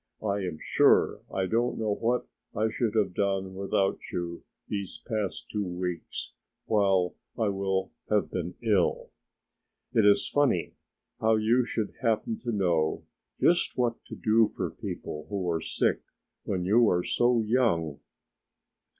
"I am sure I don't know what I should have done without you these past two weeks while I will have been ill. It is funny how you should happen to know just what to do for people who are sick when you are so young!"